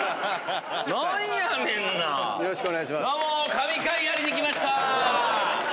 神回やりに来ましたぁ。